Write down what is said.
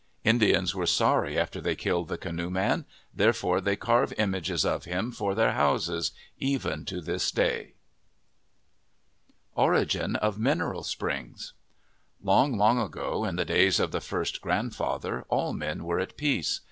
Indians were sorry after they killed the canoe man. Therefore they carve images of him for their houses, even to this day. 107 MYTHS AND LEGENDS ORIGIN OF MINERAL SPRINGS ESTG, long ago, in the days of the first grand father, all men were at peace.